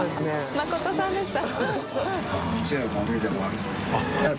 誠さんでした。